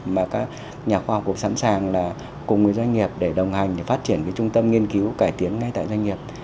mà các nhà khoa học cũng sẵn sàng là cùng với doanh nghiệp để đồng hành để phát triển trung tâm nghiên cứu cải tiến ngay tại doanh nghiệp